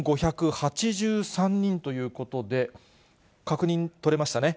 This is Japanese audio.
５５８３人ということで、確認取れましたね。